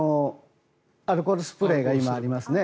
アルコールスプレーが今、ありますね。